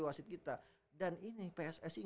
wasit kita dan ini pssi